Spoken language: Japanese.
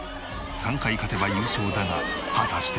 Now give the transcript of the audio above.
３回勝てば優勝だが果たして。